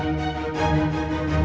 silakan pak komar